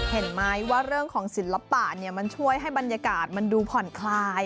เห็นไหมว่าเรื่องของศิลปะเนี่ยมันช่วยให้บรรยากาศมันดูผ่อนคลาย